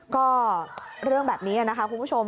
ก็เรื่องแบบนี้นะคะคุณผู้ชม